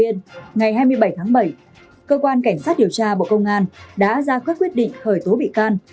ngày hai mươi bảy tháng bảy cơ quan cảnh sát điều tra bộ công an đã ra quyết định khởi tố bị can